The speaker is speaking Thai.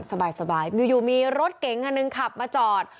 สบายมีรถเก่งหนึ่งขับมาจอด